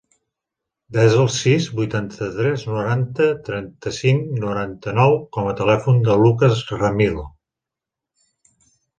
Desa el sis, vuitanta-tres, noranta, trenta-cinc, noranta-nou com a telèfon del Lukas Ramilo.